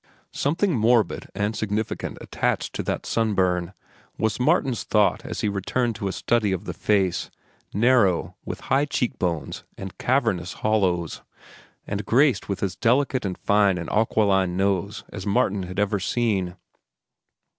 Something morbid and significant attached to that sunburn, was Martin's thought as he returned to a study of the face, narrow, with high cheek bones and cavernous hollows, and graced with as delicate and fine an aquiline nose as Martin had ever seen.